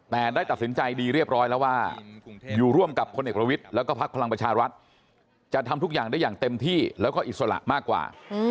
แต่ได้ตัดสินใจดีเรียบร้อยแล้วว่าอยู่ร่วมกับคนเอกประวิทย์แล้วก็พักพลังประชารัฐจะทำทุกอย่างได้อย่างเต็มที่แล้วก็อิสระมากกว่า